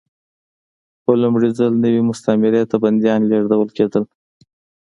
په لومړي ځل نوې مستعمرې ته بندیان لېږدول کېدل.